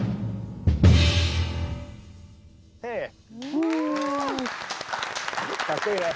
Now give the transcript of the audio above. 僕のかっこいいね。